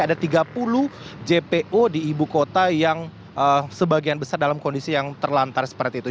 ada tiga puluh jpo di ibu kota yang sebagian besar dalam kondisi yang terlantar seperti itu